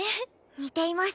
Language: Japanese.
似ています。